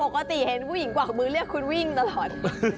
ปกติเห็นผู้หญิงกวักมือเรียกคุณวิ่งตลอด